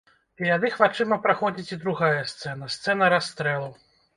Перад іх вачыма праходзіць і другая сцэна, сцэна расстрэлу.